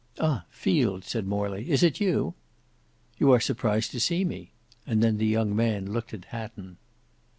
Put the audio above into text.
"Ah! Field," said Morley, "is it you?" "You are surprised to see me;" and then the young man looked at Hatton.